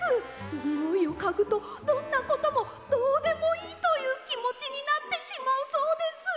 においをかぐとどんなこともどうでもいいというきもちになってしまうそうです！